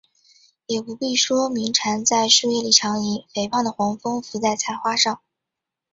也不必说鸣蝉在树叶里长吟，肥胖的黄蜂伏在菜花上